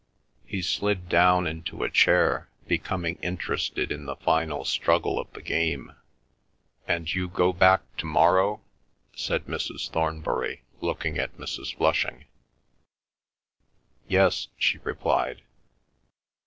He slid down into a chair, becoming interested in the final struggle of the game. "And you go back to morrow?" said Mrs. Thornbury, looking at Mrs. Flushing. "Yes," she replied.